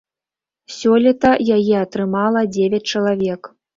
Сёлета яе атрымала дзевяць чалавек.